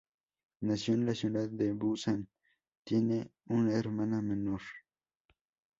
Nació en la ciudad de Busan, tiene una hermana menor.